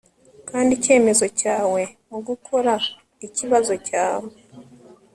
kandi icyemezo cyawe mugukora ikibazo cyawe